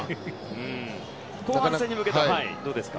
後半戦に向けてどうですか？